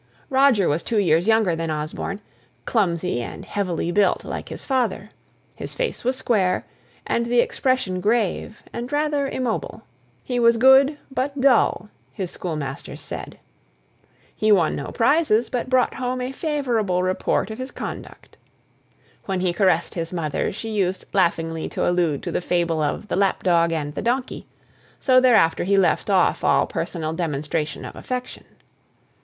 Roger was two years younger than Osborne; clumsy and heavily built, like his father; his face was square, and the expression grave, and rather immobile. He was good, but dull, his schoolmasters said. He won no prizes, but brought home a favourable report of his conduct. When he caressed his mother, she used laughingly to allude to the fable of the lap dog and the donkey; so thereafter he left off all personal demonstration of affection.